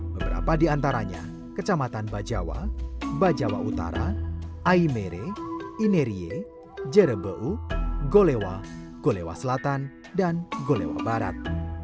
beberapa di antaranya kecamatan bajawa bajawa utara aimere inerie jerebeu golewa golewa selatan dan golewa barat